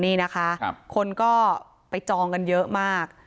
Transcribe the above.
นี่นะคะคนก็ไปจองกันเยอะมาก